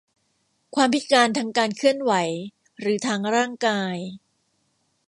ความพิการทางการเคลื่อนไหวหรือทางร่างกาย